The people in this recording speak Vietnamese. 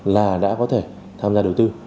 là đã có thể tham gia đầu tư